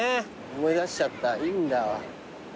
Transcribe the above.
思い出しちゃったいいんだわ。